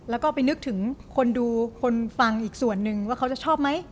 แล้วก็ไปนึกถึงคนดูคนฟังอีกส่วนนึงว่าเขาจะชอบไหม